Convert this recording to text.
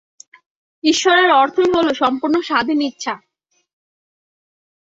ঈশ্বরের অর্থই হইল সম্পূর্ণ স্বাধীন ইচ্ছা।